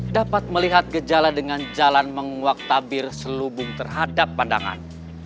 dapat melihat gejala dengan jalan menguak tabir selubung terhadap pandangan